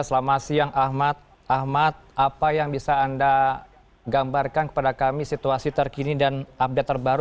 selamat siang ahmad ahmad apa yang bisa anda gambarkan kepada kami situasi terkini dan update terbaru